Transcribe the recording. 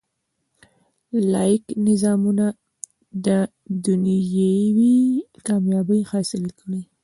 لاییک نظامونه دنیوي کامیابۍ حاصلې کړي.